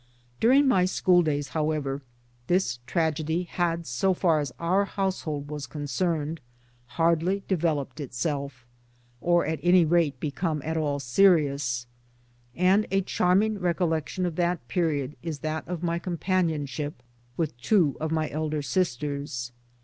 During my school days, however, this tragedy had, so far as our household was concerned, hardly de veloped itself, or at any rate become at all serious ; and a charming recollection of that period is that of my companionship with two of my elder sisters.